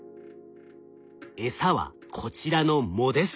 餌はこちらの藻です。